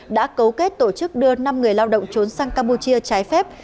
đã cấu kết tổ chức đưa năm người lao động trốn sang campuchia trái phép